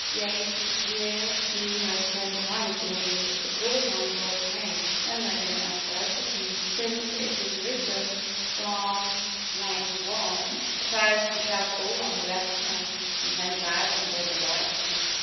Yea, here he has ten times more need to call upon God's Name than when in adversity. Since it is written, Psalm xci, "A thousand shall fall on the left hand and ten thousand on the right hand."